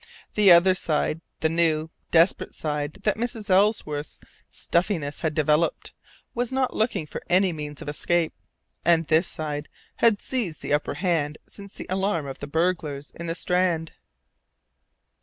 The other side, the new, desperate side that Mrs. Ellsworth's "stuffiness" had developed, was not looking for any means of escape; and this side had seized the upper hand since the alarm of the burglars in the Strand.